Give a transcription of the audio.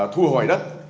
thu hồi đất